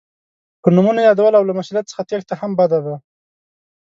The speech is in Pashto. په نومونو یادول او له مسؤلیت څخه تېښته هم بده ده.